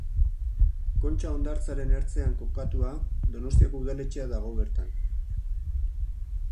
Kontxa hondartzaren ertzean kokatua, Donostiako udaletxea dago bertan.